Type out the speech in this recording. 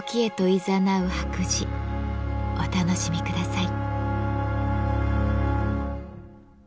お楽しみください。